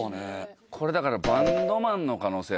これだからバンドマンの可能性あるね。